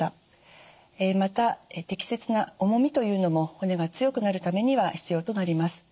また適切な重みというのも骨が強くなるためには必要となります。